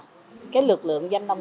cái lực lượng